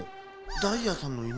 ダイヤさんのイヌ？